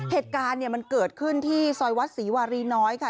เหตุการณ์มันเกิดขึ้นที่ซอยวัดศรีวารีน้อยค่ะ